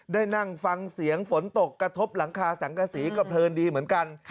นั่งฟังเสียงฝนตกกระทบหลังคาสังกษีก็เพลินดีเหมือนกัน